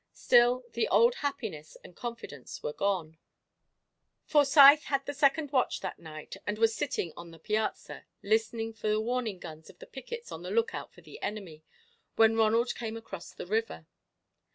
Still, the old happiness and confidence were gone. Forsyth had the second watch that night and was sitting on the piazza, listening for the warning guns of the pickets on the lookout for the enemy, when Ronald came across the river.